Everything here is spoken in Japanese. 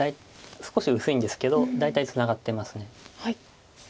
少し薄いんですけど大体ツナがってます。